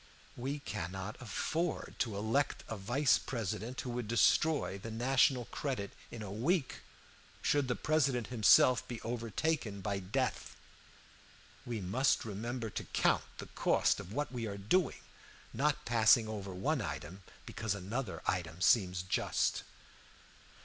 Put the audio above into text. We cannot afford to elect a vice president who would destroy the national credit in a week, should the President himself be overtaken by death. We must remember to count the cost of what we are doing, not passing over one item because another item seems just.